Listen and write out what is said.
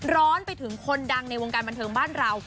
ร้อนไปถึงคนดังในวงการบันเทิงบ้านเรา